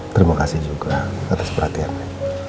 terima kasih juga atas perhatiannya